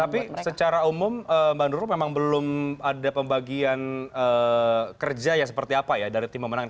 tapi secara umum mbak nurul memang belum ada pembagian kerja ya seperti apa ya dari tim pemenangan